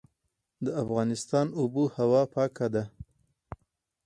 د افغانستان اوبه هوا پاکه ده